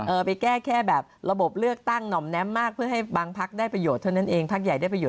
เออไปแก้แค่แบบระบบเลือกตั้งหน่อแนนัดมากเพื่อให้บางพักได้ปริโดย